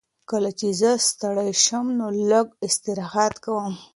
کله چې زه ستړی شم نو لږ استراحت کوم.